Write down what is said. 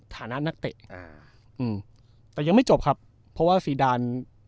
ฐานะนักเตะอ่าอืมแต่ยังไม่จบครับเพราะว่าซีดาน